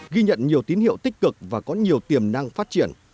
ghi nhận nhiều tín hiệu tích cực và có nhiều tiềm năng phát triển